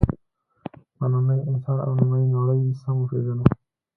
نننی انسان او نننۍ نړۍ سم وپېژنو.